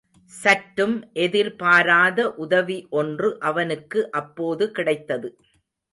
சற்றும் எதிர்பாராத உதவி ஒன்று அவனுக்கு அப்போது கிடைத்தது.